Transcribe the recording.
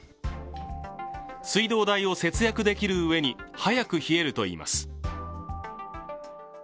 水道代を節約できるうえに、早く冷えるといいます。